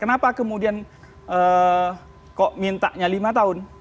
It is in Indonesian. kenapa kemudian kok mintanya lima tahun